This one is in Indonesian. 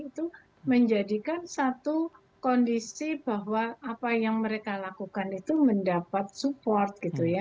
itu menjadikan satu kondisi bahwa apa yang mereka lakukan itu mendapat support gitu ya